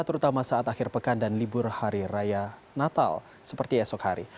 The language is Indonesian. terutama saat akhir pekan dan libur hari raya natal seperti esok hari